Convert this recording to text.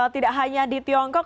tidak hanya di tiongkok